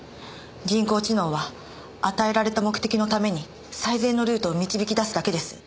人工知能は与えられた目的のために最善のルートを導き出すだけです。